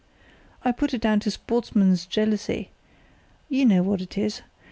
I put it down to sportsman's jealousy—you know what that is.